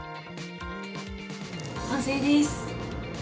完成です。